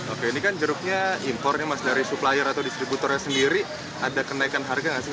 oke ini kan jeruknya impornya mas dari supplier atau distributornya sendiri ada kenaikan harga nggak sih